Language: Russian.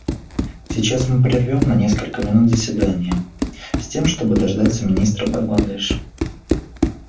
Сейчас мы прервем на несколько минут заседание, с тем чтобы дождаться министра Бангладеш.